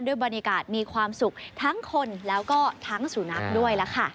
บรรยากาศมีความสุขทั้งคนแล้วก็ทั้งสุนัขด้วยล่ะค่ะ